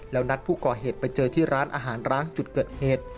แล้วนัดผู้ก่อเหตุไปเจอที่ร้านอาหารร้างจุดเกิดเหตุ